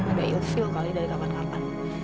ada ilkshow kali dari kapan kapan